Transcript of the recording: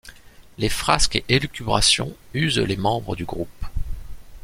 Les frasques et élucubrations usent les membres du groupe.